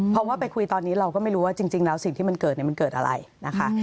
เพราะว่าไปคุยตอนนี้เราก็ไม่รู้ว่าจริงแล้วสิ่งที่มันเกิดมันเกิดอะไรนะคะ